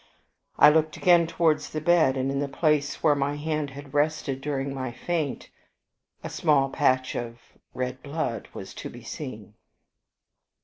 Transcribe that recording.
I looked again towards the bed, and, in the place where my hand had rested during my faint, a small patch of red blood was to be seen.